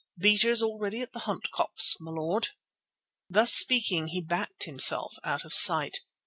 Beaters all ready at the Hunt Copse, my lord." Thus speaking he backed himself out of sight.